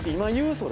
それ」